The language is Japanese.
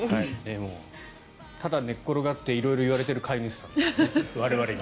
もうただ寝転がって色々言われている飼い主さん我々に。